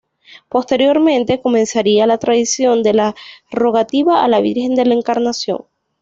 Posteriormente, comenzaría la tradición de "La Rogativa a la Virgen de la Encarnación".